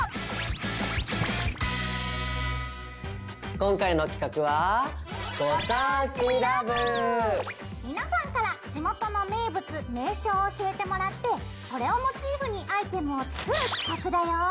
今回の企画は皆さんから地元の名物名所を教えてもらってそれをモチーフにアイテムを作る企画だよ！